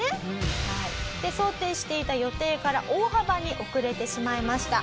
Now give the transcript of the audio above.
で想定していた予定から大幅に遅れてしまいました。